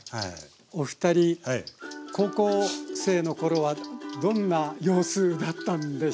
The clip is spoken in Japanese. お二人高校生の頃はどんな様子だったんでしょうねえ？